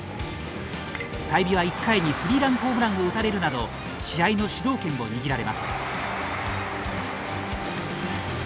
済美は、１回にスリーランホームランを打たれるなど試合の主導権を握られます。